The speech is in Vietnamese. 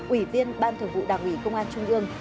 ủy viên ban thường vụ đảng ủy công an trung ương